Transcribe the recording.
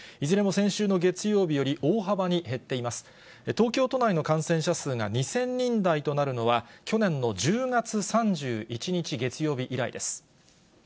東京都内の感染者数が２０００人台となるのは、去年の１０月３１日月曜日以来です。